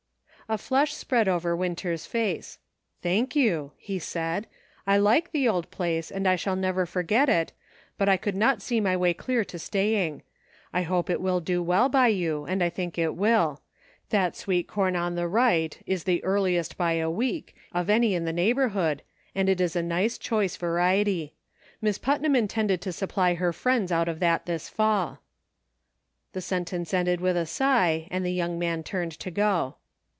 A flush spread over Winter's face, "Thank you," he said ;" I like the old place, and I shall never forget it, but I could not see my way clear to staying. I hope it will do well by you, and I think it will ; that sweet corn on the right, is the earliest by a week, of any in the neighborhood, and it is a very choice variety. Miss Putnam in tended to supply her friends out of that this fall." The sentence ended with a sigh, and the young man turned to go.